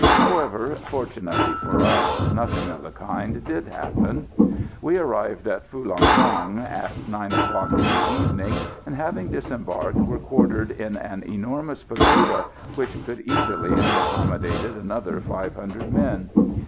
However, fortunately for us, nothing of the kind did happen. We arrived at Phulang Thuong at nine o'clock in the evening, and having disembarked were quartered in an enormous pagoda which could easily have accommodated another five hundred men.